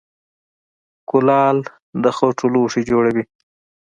کولال د خټو لوښي جوړوي